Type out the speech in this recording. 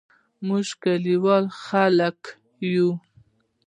موږ کلیوال خلګ یو